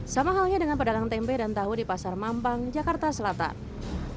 sama halnya dengan pedagang tempe dan tahu di pasar mampang jakarta selatan